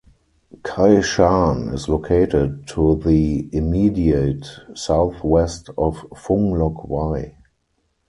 Kai Shan is located to the immediate southwest of Fung Lok Wai.